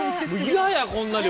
嫌やこんな旅行！